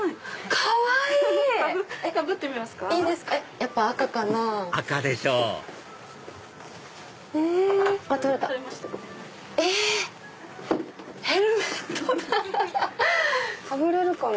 かぶれるかな？